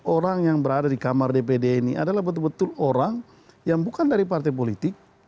orang yang berada di kamar dpd ini adalah betul betul orang yang bukan dari partai politik